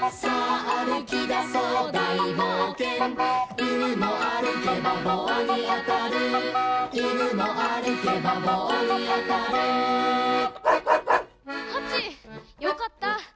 よかった。